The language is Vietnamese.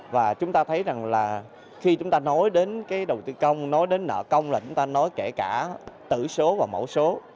và chúng ta thấy rằng là khi chúng ta nói đến cái đầu tư công nói đến nợ công là chúng ta nói kể cả tử số và mẫu số